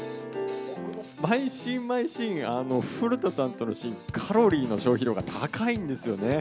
毎シーン毎シーン、古田さんとのシーンは、カロリーの消費量が高いんですよね。